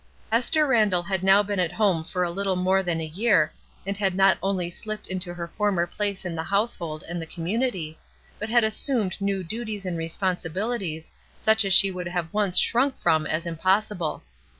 HOME 279 Esther Randall had now been at home for a little more than a year, and had not only slipped into her former place in the household and the community, but had assumed new duties and responsibilities such as she would once have shrunk from as impossible.